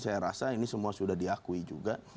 saya rasa ini semua sudah diakui juga